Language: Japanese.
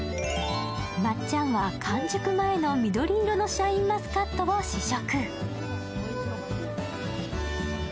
まっちゃんは完熟前の緑色のシャインマスカットを試食。